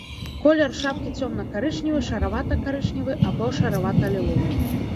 Колер шапкі цёмна-карычневы, шаравата-карычневы або шаравата-ліловы.